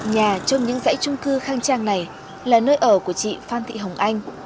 nhà trong những dãy trung cư khang trang này là nơi ở của chị phan thị hồng anh